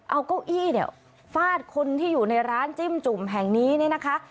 เอาเก้าอี้เนี่ยฟาดคนที่อยู่ในร้านจิ้มจุ่มแห่งนี้เนี่ยนะคะ